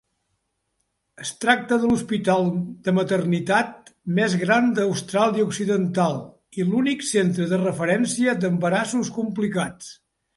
Es tracta de l'hospital de maternitat més gran d'Austràlia Occidental i l'únic centre de referència d'embarassos complicats.